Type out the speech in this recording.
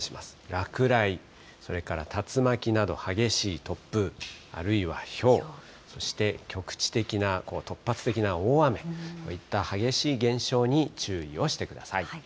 落雷、それから竜巻など、激しい突風、あるいはひょう、そして、局地的な突発的な大雨、こういった激しい現象に注意をしてください。